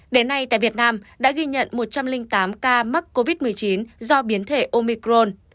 đến nay tại việt nam đã ghi nhận một trăm linh tám ca mắc covid một mươi chín do biến thể omicron